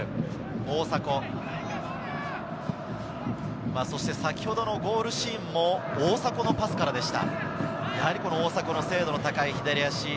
大迫、そして先ほどのゴールシーンも大迫のパスからでした。